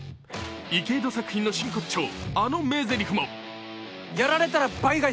池井戸作品の真骨頂、あの名ぜりふも。